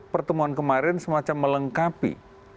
pertemuan kemarin semacam melengkapi